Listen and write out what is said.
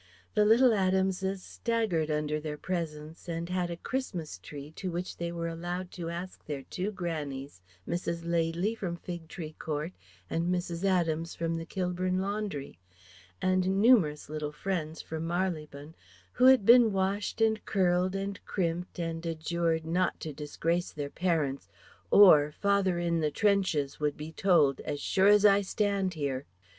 The little Adamses staggered under their presents and had a Christmas Tree to which they were allowed to ask their two grannies Mrs. Laidly from Fig Tree Court and Mrs. Adams from the Kilburn Laundry and numerous little friends from Marylebone, who had been washed and curled and crimped and adjured not to disgrace their parents, or father in the trenches would be told "as sure as I stand here."